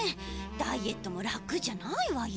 ダイエットもらくじゃないわよ。